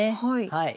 はい。